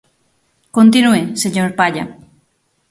Continúe, señor Palla.